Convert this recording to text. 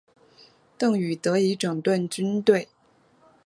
邓禹得以整顿军队。